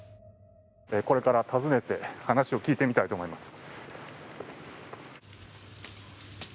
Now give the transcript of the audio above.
これから訪ねて、話を聞いてみたいと思います。